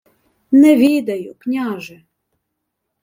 — Не відаю, княже.